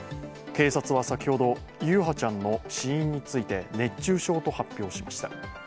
警察は先ほど、優陽ちゃんの死因について熱中症と発表しました。